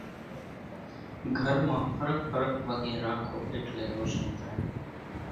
گھر مان ڦرق ڦرق وڳين راکو ايٽلي روشني ٿائي۔